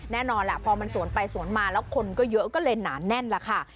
แน่นอนแหละพอมันสวนไปสวนมาแล้วคนก็เยอะก็เลยหนาแน่นล่ะค่ะ